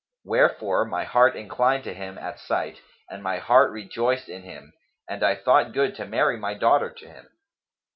Wherefore my heart inclined to him at sight, and my heart rejoiced in him and I thought good to marry my daughter to him.